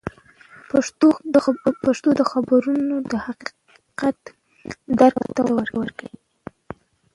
پښتو د خبرونو د حقیقت درک ته وده ورکوي.